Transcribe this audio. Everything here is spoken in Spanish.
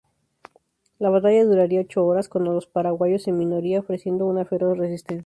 La batalla duraría ocho horas, con los paraguayos, en minoría, ofreciendo una feroz resistencia.